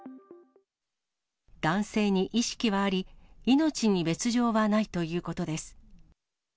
男性に意識はあり、命に別状はないということです。